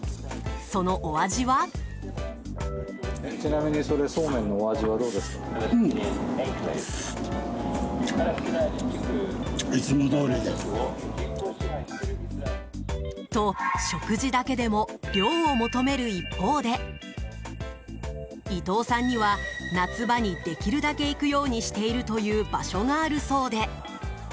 そのお味は？と、食事だけでも涼を求める一方で伊藤さんには、夏場にできるだけ行くようにしているという場所があるそうで。